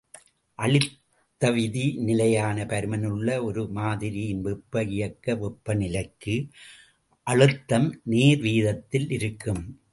அழுத்த விதி நிலையான பருமனிலுள்ள ஒரு மாதிரியின் வெப்ப இயக்க வெப்பநிலைக்கு, அழுத்தம் நேர் வீதத்திலிருக்கும்.